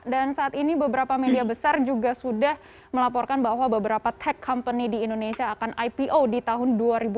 dan saat ini beberapa media besar juga sudah melaporkan bahwa beberapa tech company di indonesia akan ipo di tahun dua ribu dua puluh satu